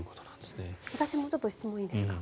私も質問いいですか。